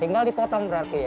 tinggal dipotong berarti ya